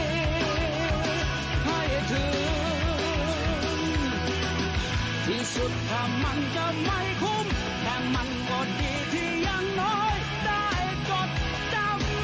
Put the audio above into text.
แค่คนที่เชื่อในความหวังยังเหน็จยังเหนื่อยก็ยังต้องเดินต่อไป